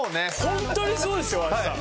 ホントにそうですよ大橋さん。